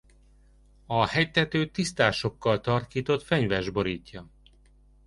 A hegytetőt tisztásokkal tarkított fenyves borítja.